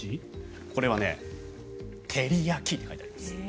これは照り焼きって書いてあります。